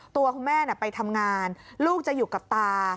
ตัวคุณแม่ไปทำงานลูกจะอยู่กับตา